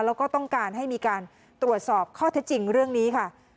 แล้วก็ต้องการให้มีการตรวจสอบข้อเท็จจริงเรื่องนี้ค่ะ